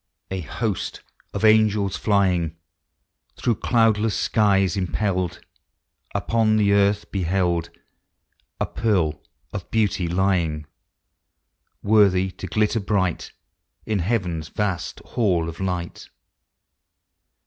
A host of angels living. Through cloudless skies impelled, Upon the earth beheld A pearl of beauty lying, Worthy to glitter bright In heaven's vast hall of light.